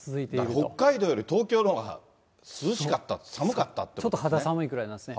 北海道より東京のほうが涼しかった、ちょっと肌寒いぐらいなんですね。